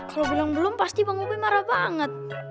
kalo bilang belum pasti bang ube marah banget